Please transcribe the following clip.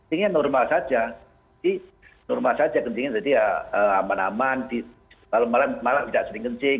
ingin normal saja di normal saja kepingin dia aman aman di malam malam tidak sering kencing